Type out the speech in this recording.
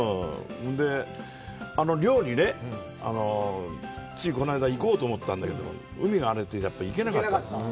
あの漁に、ついこの間、行こうと思ったんだけど、海が荒れて、行けなかった。